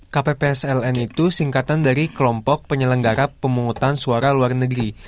kppsln itu singkatan dari kelompok penyelenggara pemungutan suara luar negeri